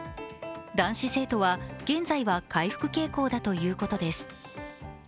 男子生徒は現在は回復傾向だということです。